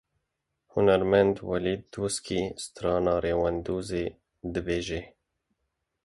Hunermend Welîd Doskî strana Rewandûzê dibêje.